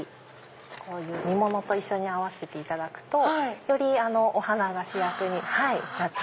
こういう実ものと一緒に合わせていただくとよりお花が主役になって。